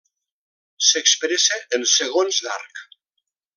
S'expressa en segons d'arc.